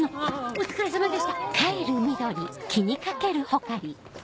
お疲れさまです。